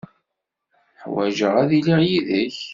Ḥwajeɣ ad iliɣ yid-k.